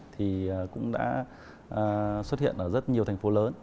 thì cũng đã xuất hiện ở rất nhiều thành phố lớn